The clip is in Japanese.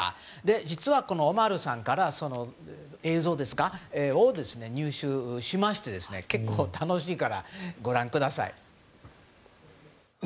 実はオマールさんから映像を入手しまして結構楽しいからご覧ください。